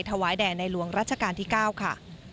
ถวายแด่ในหลวงรัชกาลที่๙ค่ะ